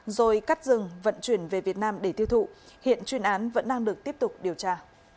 rồi cắt rừng vận chuyển về việt nam để tiêu thụ hiện chuyên án vẫn đang được tiếp tục điều tra